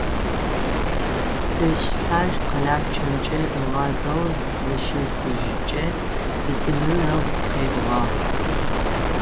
Шышъхьэр къэлапчъэмкӏэ ыгъазэу зышэсыжькӏэ, бысымым ыгу къебгъагъ.